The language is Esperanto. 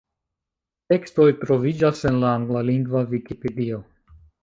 Tekstoj troviĝas en la anglalingva Vikipedio.